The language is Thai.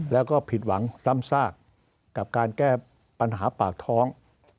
แล้วก็ผิดหวังซ้ำซากกับการแก้ปัญหาปากท้อง